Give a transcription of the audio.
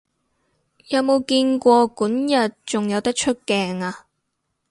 有冇見過管軼仲有得出鏡啊？